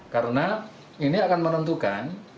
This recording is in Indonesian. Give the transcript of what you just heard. karena ini akan menentukan